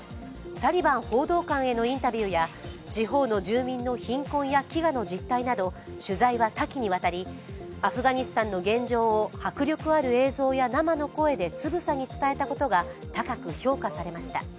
タリバン報道官へのインタビューや地方の住民の貧困や飢餓の実態を取材は多岐にわたり、アフガニスタンの現状を迫力ある映像や生の声でつぶさに伝えたことが高く評価されました。